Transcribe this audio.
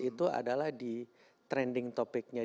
itu adalah di trending topicnya